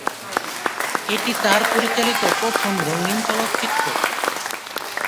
এটি তার পরিচালিত প্রথম রঙিন চলচ্চিত্র।